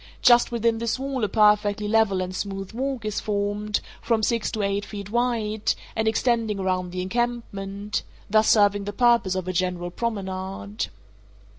Just within this wall a perfectly level and smooth walk is formed, from six to eight feet wide, and extending around the encampment—thus serving the purpose of a general promenade.